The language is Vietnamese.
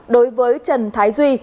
đối với trần thái duy